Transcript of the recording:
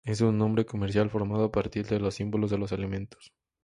Es un nombre comercial formado a partir de los símbolos de los elementos.